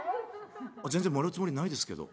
「あ全然もらうつもりないですけど」。